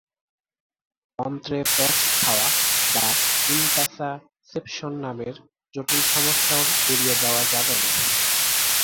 অন্ত্রে প্যাঁচ খাওয়া বা ইনটাসাসেপশন নামের জটিল সমস্যাও উড়িয়ে দেওয়া যাবে না।